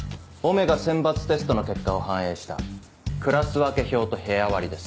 Ω選抜テストの結果を反映したクラス分け表と部屋割りです。